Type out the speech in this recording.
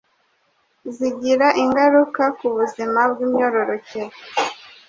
zigira ingaruka ku buzima bw’imyororokere.